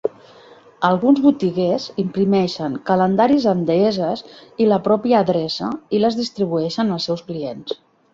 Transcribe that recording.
Alguns botiguers imprimeixen calendaris amb deesses i la pròpia adreça, i les distribueixen als seus clients.